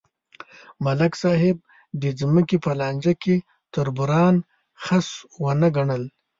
ملک صاحب د ځمکې په لانجه کې تربوران خس ونه ګڼل.